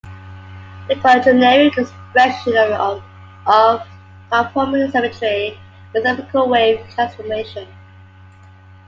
They called a generic expression of conformal symmetry a spherical wave transformation.